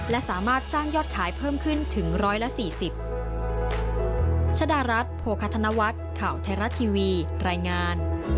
และสามารถสร้างยอดขายเพิ่มขึ้นถึง๑๔๐